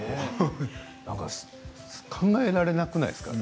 考えられなくないですか？